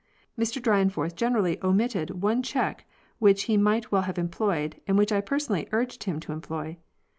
Mr Dyrenforth generally omitted one check which he might well have employed, and which I personally urged him to em ploy.